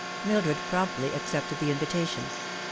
Mildred promptly accepted the invitation.